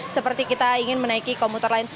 seperti kita ingin menaiki komuter lain